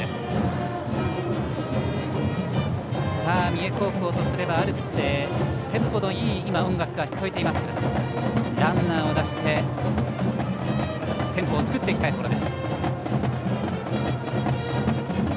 三重高校とすればアルプスからテンポのいい音楽が聴こえていますがランナーを出してテンポを作っていきたいところ。